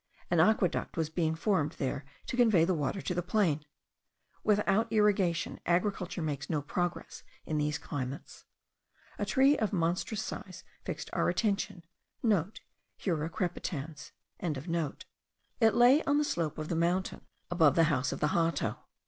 An aqueduct was being formed there to convey the water to the plain. Without irrigation, agriculture makes no progress in these climates. A tree of monstrous size fixed our attention.* (* Hura crepitans.) It lay on the slope of the mountain, above the house of the Hato.